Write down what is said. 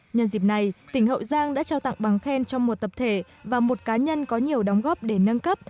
nhân dịp này tỉnh hậu giang đã trao tặng bằng khen cho một tập thể và một cá nhân có nhiều đóng góp để nâng cấp